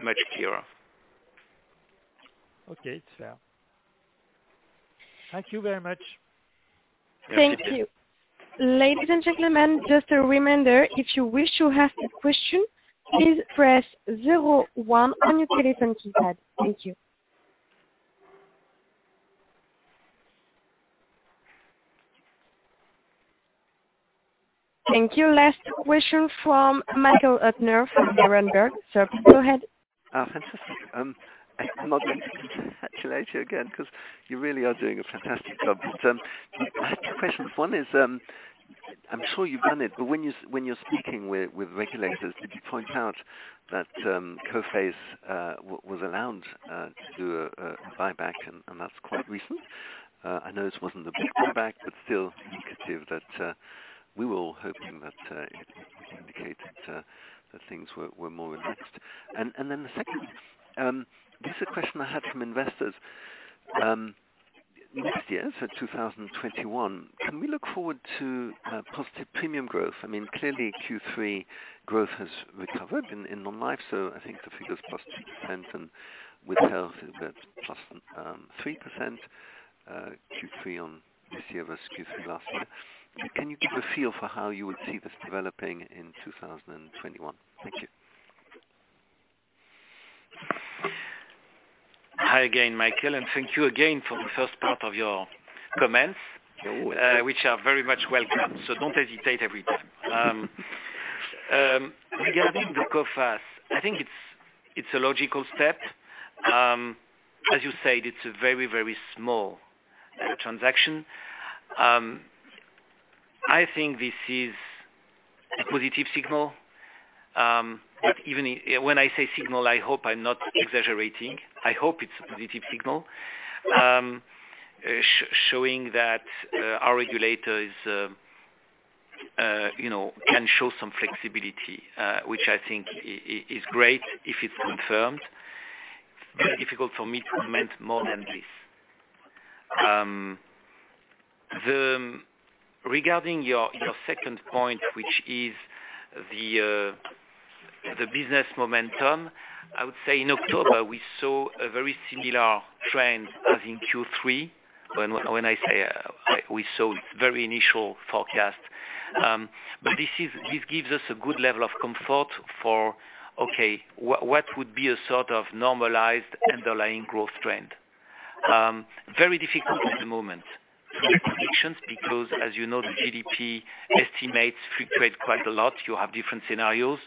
much clearer. Okay, fair. Thank you very much. Thank you. Thank you. Ladies and gentlemen, just a reminder, if you wish to ask a question, please press zero one on your telephone keypad. Thank you. Thank you. Last question from Michael Huttner from Berenberg. Go ahead. Fantastic. I am not going to congratulate you again because you really are doing a fantastic job. I had two questions. One is, I am sure you have done it, when you are speaking with regulators, did you point out that Coface was allowed to do a buyback, and that is quite recent? I know this was not a big buyback, still indicative that we were all hoping that it would indicate that things were more relaxed. The second one, this is a question I had from investors. Next year, 2021, can we look forward to positive premium growth? Clearly, Q3 growth has recovered in non-life, I think the figure is +2%, and with health, that is +3% Q3 on this year versus Q3 last year. Can you give a feel for how you would see this developing in 2021? Thank you. Hi again, Michael, and thank you again for the first part of your comments, which are very much welcome, so don't hesitate every time. Regarding the Coface, I think it's a logical step. As you said, it's a very small transaction. I think this is a positive signal. When I say signal, I hope I'm not exaggerating. I hope it's a positive signal showing that our regulator can show some flexibility, which I think is great if it's confirmed. Very difficult for me to comment more than this. Regarding your second point, which is the business momentum, I would say in October, we saw a very similar trend as in Q3. When I say we saw, it's very initial forecast. This gives us a good level of comfort for what would be a sort of normalized underlying growth trend. Very difficult at the moment for predictions because as you know, the GDP estimates fluctuate quite a lot. You have different scenarios.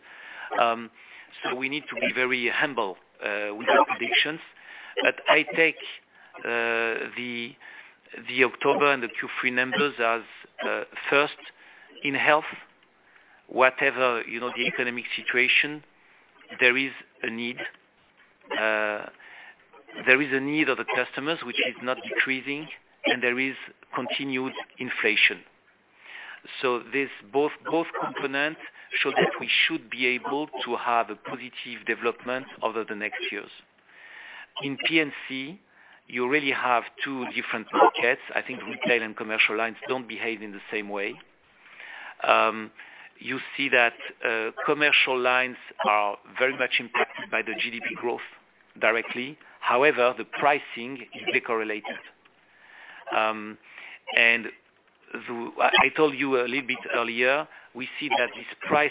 We need to be very humble with our predictions. I take the October and the Q3 numbers as first in health, whatever the economic situation, there is a need of the customers which is not decreasing, and there is continued inflation. Both components show that we should be able to have a positive development over the next years. In P&C, you really have two different markets. I think retail and commercial lines don't behave in the same way. You see that commercial lines are very much impacted by the GDP growth directly. However, the pricing is correlated. I told you a little bit earlier, we see that this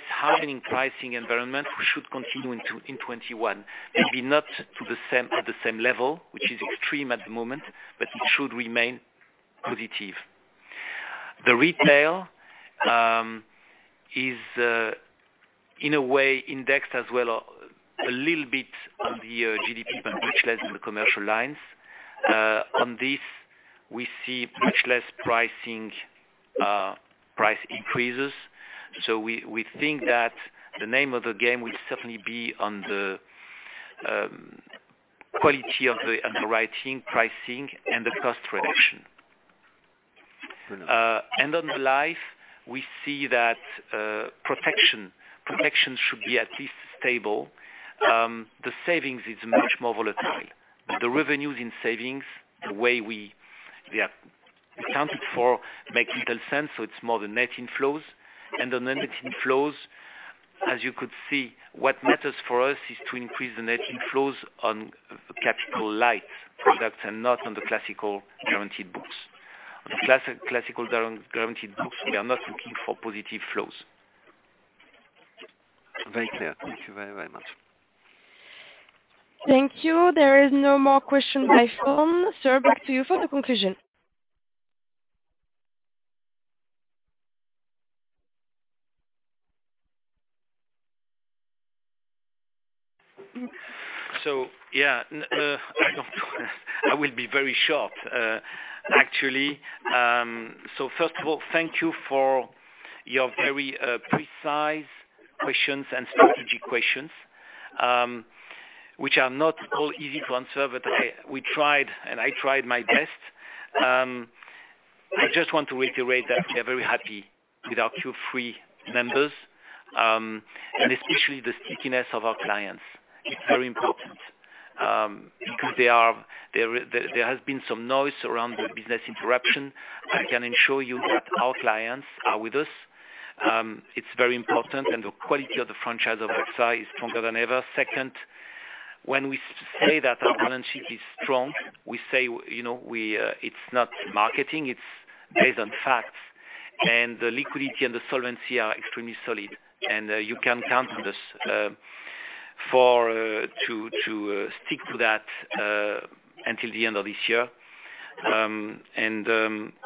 hardening pricing environment should continue in 2021. Maybe not at the same level, which is extreme at the moment, but it should remain positive. The retail is in a way indexed as well, a little bit on the GDP, but much less on the commercial lines. On this, we see much less price increases. We think that the name of the game will certainly be on the quality of the underwriting, pricing, and the cost reduction. On life, we see that protection should be at least stable. The savings is much more volatile. The revenues in savings, the way we accounted for, make little sense, so it's more the net inflows. On the net inflows, as you could see, what matters for us is to increase the net inflows on capital light products and not on the classical guaranteed books. On the classical guaranteed books, we are not looking for positive flows. Very clear. Thank you very much. Thank you. There is no more question by phone. Sir, back to you for the conclusion. I will be very short actually. First of all, thank you for your very precise questions and strategic questions, which are not all easy to answer, but we tried, and I tried my best. I just want to reiterate that we are very happy with our Q3 numbers and especially the stickiness of our clients. It's very important, because there has been some noise around the business interruption. I can assure you that our clients are with us. It's very important, and the quality of the franchise of AXA is stronger than ever. Second, when we say that our balance sheet is strong, it's not marketing, it's based on facts. The liquidity and the solvency are extremely solid. You can count on us to stick to that until the end of this year.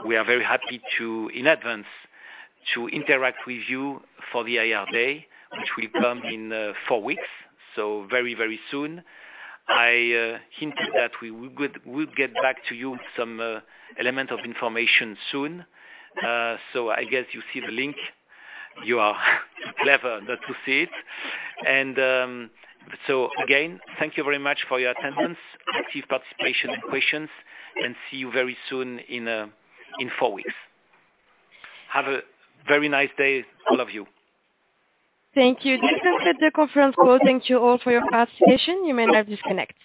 We are very happy to, in advance, interact with you for the Investor Day, which will come in four weeks, so very soon. I hinted that we'll get back to you with some element of information soon. I guess you see the link. You are clever not to see it. Again, thank you very much for your attendance, active participation, and questions, and see you very soon in four weeks. Have a very nice day, all of you. Thank you. This concludes the conference call. Thank you all for your participation. You may now disconnect.